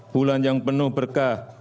bulan yang penuh berkah